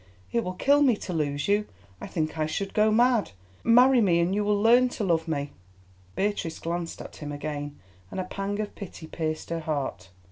It will kill me to lose you. I think I should go mad. Marry me and you will learn to love me." Beatrice glanced at him again, and a pang of pity pierced her heart.